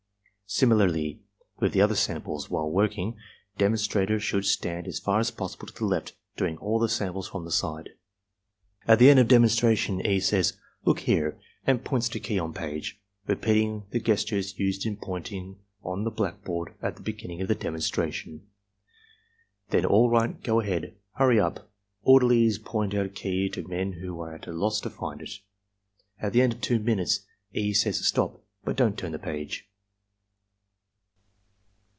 Similarly with the other samples. While working, demon * 86 ARMY MENTAL TESTS strator should stand as far as possible to the left, doing all the samples from this side. At the end of demonstration E. says, "Look, here" and points to key on page, repeating the gestures used in pointing on the blackboard at the beginning of the demonstration. Then, "All right. Go ahead. Hurry up!" Orderlies point out key to men who are at a loss to find it. At the end of 2 minutes, E. says, "Stop! But don't turn the page."